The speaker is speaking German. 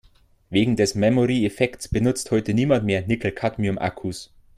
Wegen des Memory-Effekts benutzt heute niemand mehr Nickel-Cadmium-Akkus.